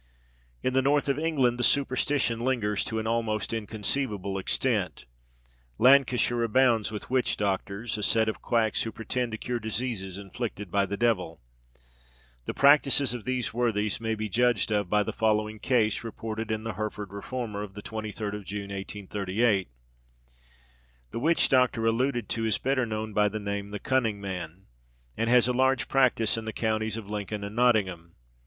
In the north of England, the superstition lingers to an almost inconceivable extent. Lancashire abounds with witch doctors, a set of quacks who pretend to cure diseases inflicted by the devil. The practices of these worthies may be judged of by the following case, reported in the Hertford Reformer of the 23d of June 1838. The witch doctor alluded to is better known by the name of the cunning man, and has a large practice in the counties of Lincoln and Nottingham.